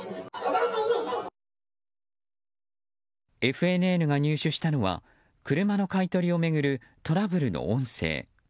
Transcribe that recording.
ＦＮＮが入手したのは車の買い取りを巡るトラブルの音声。